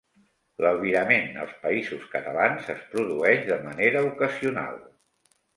L'albirament als Països Catalans es produeix de manera ocasional.